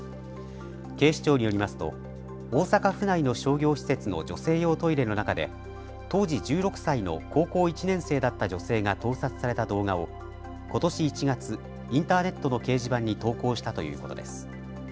警視庁によりますと大阪府内の商業施設の女性用トイレの中で当時１６歳の高校１年生だった女性が盗撮された動画をことし１月、インターネットの掲示板に投稿したということです。